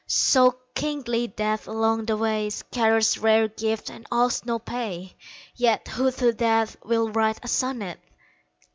So, kingly Death along the way Scatters rare gifts and asks no pay Yet who to Death will write a sonnet?